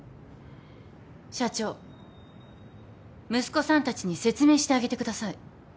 社長息子さんたちに説明してあげてください。